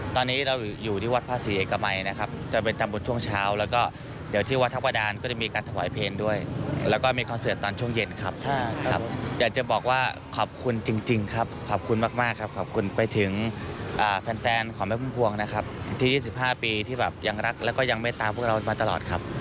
ที่๒๕ปีที่แบบยังรักและก็ยังไม่ตามพวกเรามาตลอดครับ